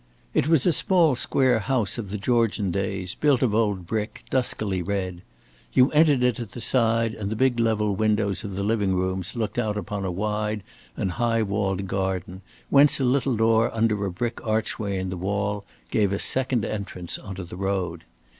It was a small square house of the Georgian days, built of old brick, duskily red. You entered it at the side and the big level windows of the living rooms looked out upon a wide and high walled garden whence a little door under a brick archway in the wall gave a second entrance on to the road.